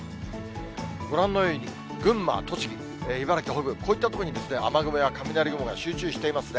ご覧のように群馬、栃木、茨城北部、こういった所に、雨雲や雷雲が集中していますね。